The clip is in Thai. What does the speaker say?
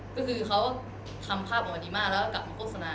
ก็คือเขาทำภาพออกมาดีมากแล้วก็กลับมาโฆษณา